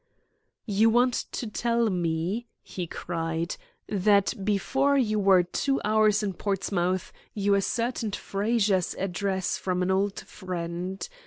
"You want to tell me," he cried, "that before you were two hours in Portsmouth you ascertained Frazer's address from an old friend.